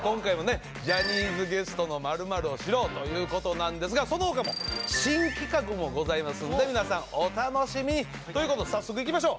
「ジャニーズゲストの○○をシロウ！」ということなんですがその他も新企画もございますんで皆さんお楽しみに！ということで早速いきましょう。